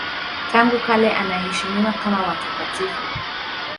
Tangu kale anaheshimiwa kama watakatifu.